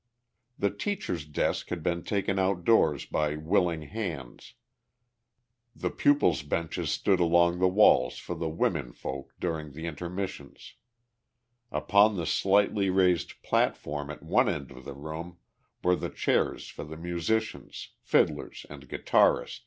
The teacher's desk had been taken outdoors by willing hands; the pupils' benches stood along the walls for the "women folk" during the intermissions; upon the slightly raised platform at one end of the room were the chairs for the musicians, fiddler and guitarist.